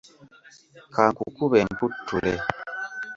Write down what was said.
Kankukube nkuttule.